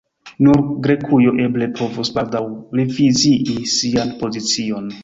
Nur Grekujo eble povus baldaŭ revizii sian pozicion.